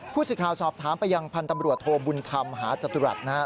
ผู้สิทธิ์ข่าวสอบถามไปยังพันธุ์ตำรวจโทบุญคำหาจตุรัสนะฮะ